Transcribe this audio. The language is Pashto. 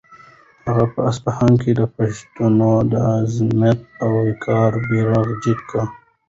هغه په اصفهان کې د پښتنو د عظمت او وقار بیرغ جګ کړ.